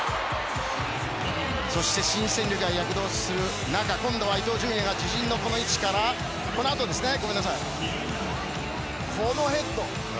そして新戦力が躍動する中今度は伊東純也が自陣の、この位置からこのヘッド。